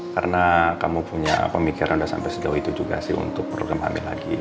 karena kamu punya pemikiran udah sampai segau itu juga sih untuk program hamil lagi